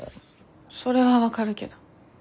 それは分かるけど。